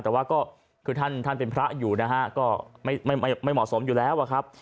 แต่ว่าก็คือท่านเป็นพระอยู่นะฮะก็ไม่เหมาะสมอยู่แล้วอะครับ